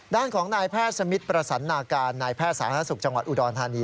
ด้านของนายแพทย์สมิทประสันนาการนายแพทย์สาธารณสุขจังหวัดอุดรธานี